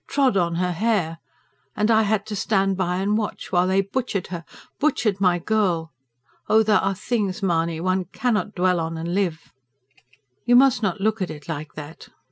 trod on her hair! And I had to stand by and watch, while they butchered her butchered my girl. Oh, there are things, Mahony, one cannot dwell on and live!" "You must not look at it like that.